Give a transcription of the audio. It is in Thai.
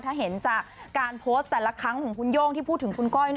ถ้าเห็นจากการโพสต์แต่ละครั้งของคุณโย่งที่พูดถึงคุณก้อย